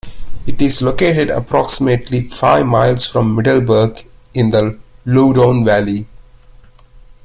It is located approximately five miles from Middleburg in the Loudoun Valley.